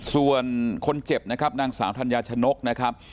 ส่วนคนเจ็บนะครับนางสาวธัญญาชนกนะครับ